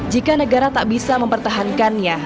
jika negara tak bisa mempertahankannya